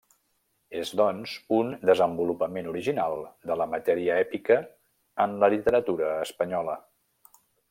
És doncs, un desenvolupament original de la matèria èpica en la literatura espanyola.